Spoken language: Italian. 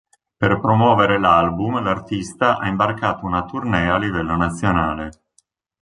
Per promuovere l'album l'artista ha imbarcato una tournée a livello nazionale.